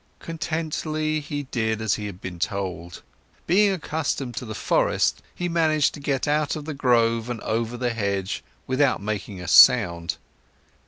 Contently, he did as he had been told. Being accustomed to the forest, he managed to get out of the grove and over the hedge without making a sound.